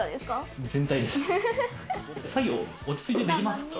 作業、落ち着いてできますか？